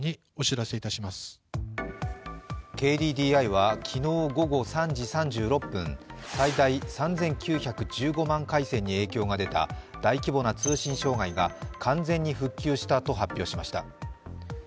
ＫＤＤＩは昨日午後３時３６分最大３９１５万回線に影響が出た大規模な通信障害が完全に復旧したと発表しました。